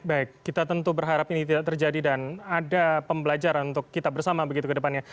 baik kita tentu berharap ini tidak terjadi dan ada pembelajaran untuk kita bersama begitu ke depannya